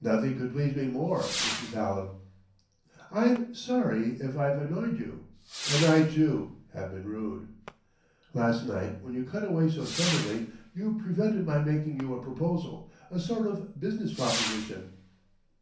"Nothing could please me more, Mrs. Hallam!" "I'm sorry if I've annoyed you " "And I, too, have been rude." "Last night, when you cut away so suddenly, you prevented my making you a proposal, a sort of a business proposition...."